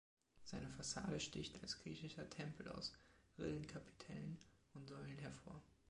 Seine Fassade sticht als griechischer Tempel aus Rillenkapitellen und Säulen hervor.